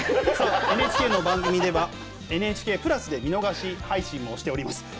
そしてＮＨＫの番組は「ＮＨＫプラス」で見逃し配信をしています。